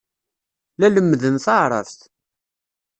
La lemmden taɛṛabt.